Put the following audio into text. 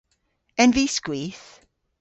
En vy skwith?